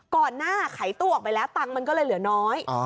ก่อนหน้าไขตู้ออกไปแล้วตังค์มันก็เลยเหลือน้อย